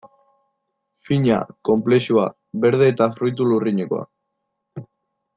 Fina, konplexua, berde eta fruitu lurrinekoa...